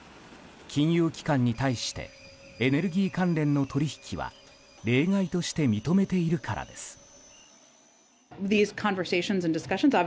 金融機関に対してエネルギー関連の取引は例外として認めているからです。